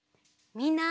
みんな。